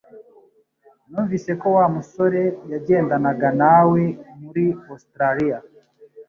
Numvise ko Wa musore yagendanaga nawe muri Ositaraliya